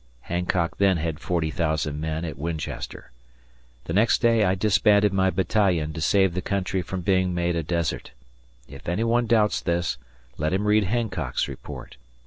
Hancock then had 40,000 men at Winchester. The next day I disbanded my battalion to save the country from being made a desert. If any one doubts this, let him read Hancock's report.